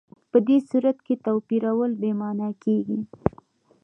په دې صورت کې توپیرول بې معنا کېږي.